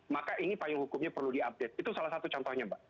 maka ini payung hukumnya perlu diupdate itu salah satu contohnya mbak